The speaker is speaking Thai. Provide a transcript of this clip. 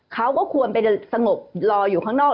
เขาก็ควรไปสงบรออยู่ข้างนอก